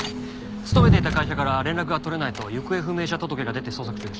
勤めていた会社から連絡がとれないと行方不明者届が出て捜索中でした。